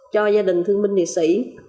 cho gia đình thương minh liệt sĩ